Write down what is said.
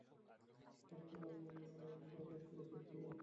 রক্তপাত নয় আমরা উমরা করতে এসেছি।